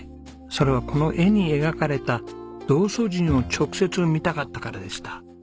それはこの絵に描かれた道祖神を直接見たかったからでした。